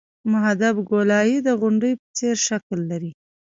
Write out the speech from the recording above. محدب ګولایي د غونډۍ په څېر شکل لري